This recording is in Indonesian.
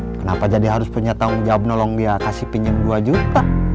kenapa jadi harus punya tanggung jawab nolong dia kasih pinjam dua juta